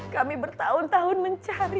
kami bertahun tahun mencari